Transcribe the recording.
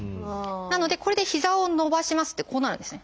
なのでこれで膝を伸ばしますってこうなるんですね。